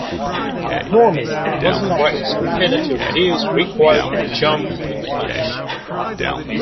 Normally muzzle brakes are fitted to reduce recoil, jump and flash.